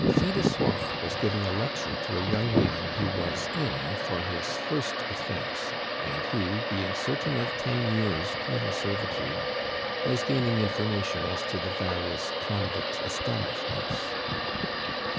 Fil de Soie was giving a lecture to a young man who was IN for his first offence, and who, being certain of ten years' penal servitude, was gaining information as to the various convict establishments.